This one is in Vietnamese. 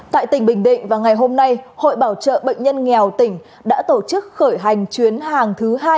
tại tỉnh bình định vào ngày hôm nay hội bảo trợ bệnh nhân nghèo tỉnh đã tổ chức khởi hành chuyến hàng thứ hai